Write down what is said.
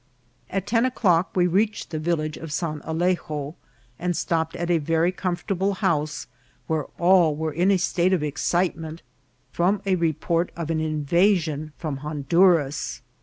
At ten o'clock we reached the village of San Alejo, and stopped at a very comfortable house, where all were in a state of excitement from the report of an in vasion from Honduras.